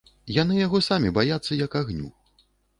Яны яго самі баяцца як агню!